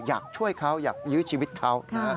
อยากช่วยเขาอยากยื้อชีวิตเขานะ